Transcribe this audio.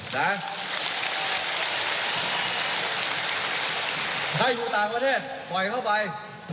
ถ้าอยู่ต่างประเทศปล่อยเข้าไป